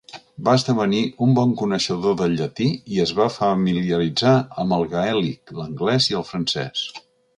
Va esdevenir un bon coneixedor del llatí i es va familiaritzar amb el gaèlic, l'anglès i el francès.